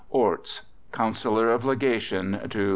ORTS, _Councillor of Legation to H.